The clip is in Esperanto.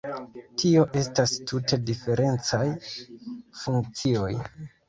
Tio estas tute diferencaj funkcioj.